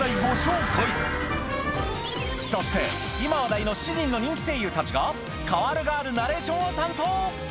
そして今話題の７人の人気声優たちが代わる代わるナレーションを担当